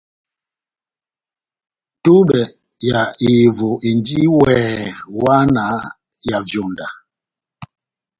Túbɛ ya ehevo endi weeeh wáhá na ya vyonda.